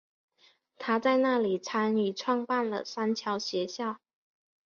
她在那里参与创办了三桥学校。